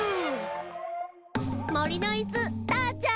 もりのいすターちゃん。